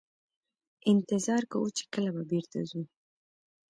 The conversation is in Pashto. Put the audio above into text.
انتظار کوو چې کله به بیرته ځو.